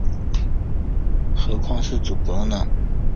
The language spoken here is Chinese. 何况是主簿呢？